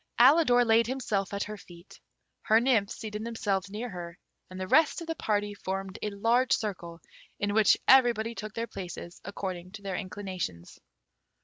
Alidor laid himself at her feet. Her nymphs seated themselves near her, and the rest of the party formed a large circle, in which everybody took their places according to their inclinations.